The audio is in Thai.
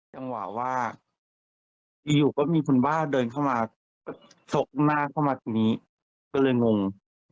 จังหวะว่าอยู่ก็มีคุณบ้าเดินเข้ามาชกหน้าเข้ามาทีนี้ก็เลยงง